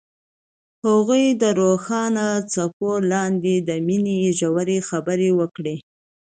هغوی د روښانه څپو لاندې د مینې ژورې خبرې وکړې.